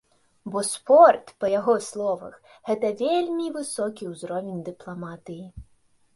Бо спорт, па яго словах, гэта вельмі высокі ўзровень дыпламатыі.